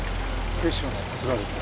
警視庁の十津川です。